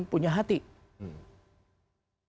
atau punya kemampuan yang lebih baik